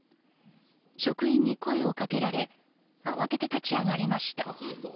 職員に声をかけられ慌てて立ち上がりました。